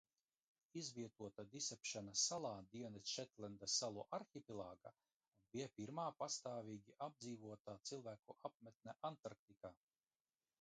Izvietota Disepšenas salā Dienvidšetlendas salu arhipelāgā un bija pirmā pastāvīgi apdzīvotā cilvēku apmetne Antarktikā.